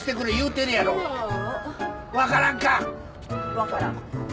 分からん。